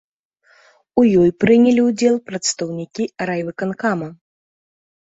У ёй прынялі ўдзел прадстаўнікі райвыканкама.